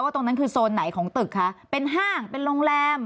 ตรงนั้นคือโซนไหนของตึกคะเป็นห้างเป็นโรงแรม